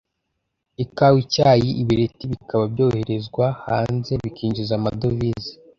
ikawa, icyayi, ibireti bikaba byoherezwa hanze bikinjiza amadovize.